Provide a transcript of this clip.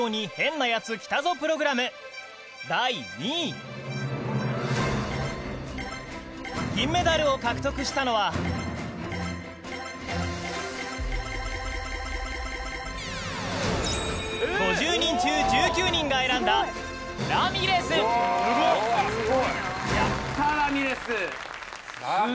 第２位銀メダルを獲得したのは５０人中１９人が選んだラミレスやったラミレス！